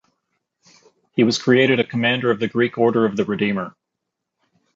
He was created a Commander of the Greek Order of the Redeemer.